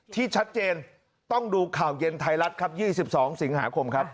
ที่ชัดเจนต้องดูข่าวเย็นไทยรัฐครับ๒๒สิงหาคมครับ